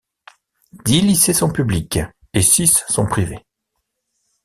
Dix lycées sont publics et six sont privés.